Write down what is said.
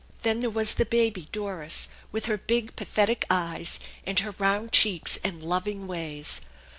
Then there was the baby Doris, with her big, pathetic eyes, and her round cheeks and loving ways.